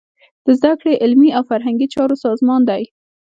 د زده کړې، علمي او فرهنګي چارو سازمان دی.